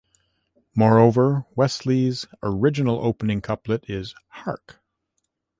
Moreover, Wesley's original opening couplet is Hark!